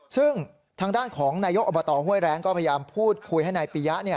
ซึ่งทางด้านของนายกอบตห้วยแรงก็พยายามพูดคุยให้นายปียะ